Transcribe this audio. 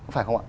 phải không ạ